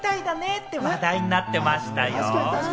って話題になってましたよ。